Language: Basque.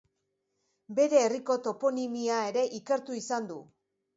Bere herriko toponimia ere ikertu izan du.